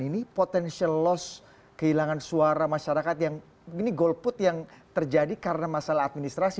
ini potential loss kehilangan suara masyarakat yang ini golput yang terjadi karena masalah administrasi